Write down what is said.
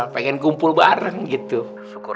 pengen kumpul bareng gitu